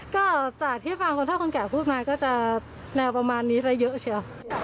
ก็จากที่ฟังคนเท่าคนแก่พูดมาก็จะแนวประมาณนี้ไปเยอะเชียว